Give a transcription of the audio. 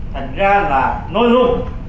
thành ra là nói luôn